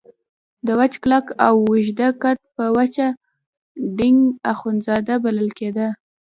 د وچ کلک او اوږده قد په وجه ډینګ اخندزاده بلل کېده.